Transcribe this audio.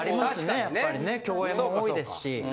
やっぱりね共演も多いですし。